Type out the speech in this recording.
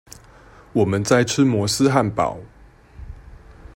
我們在吃摩斯漢堡